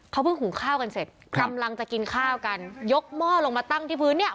เขาเพิ่งหุงข้าวกันเสร็จกำลังจะกินข้าวกันยกหม้อลงมาตั้งที่พื้นเนี่ย